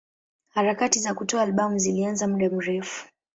Harakati za kutoa albamu zilianza muda mrefu.